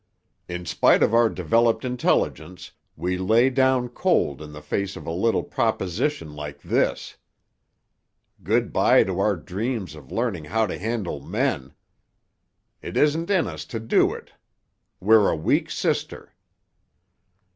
"In spite of our developed intelligence, we lay down cold in the face of a little proposition like this! Good bye to our dreams of learning how to handle men! It isn't in us to do it; we're a weak sister."